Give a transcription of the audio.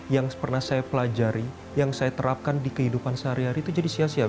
yang pernah saya pelajari yang saya terapkan di kehidupan sehari hari itu jadi sia sia